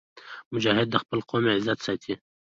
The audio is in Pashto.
مجاهد د خپل قوم عزت ساتي.